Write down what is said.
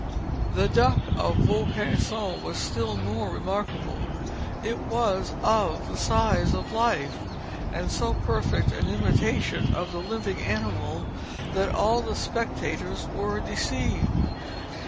The duck of Vaucanson was still more remarkable. It was _of _the size of life, and so perfect an imitation of the living animal that all the spectators were deceived.